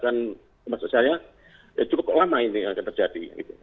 dan ini tidak akan cukup lama ini yang akan terjadi